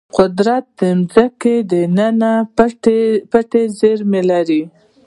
قدرت د ځمکې دننه پټې زیرمې لري.